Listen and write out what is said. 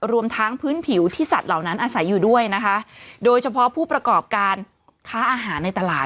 รวมทั้งพื้นผิวที่สัตว์เหล่านั้นอาศัยอยู่ด้วยนะคะโดยเฉพาะผู้ประกอบการค้าอาหารในตลาด